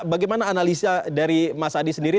bagaimana analisa dari mas adi sendiri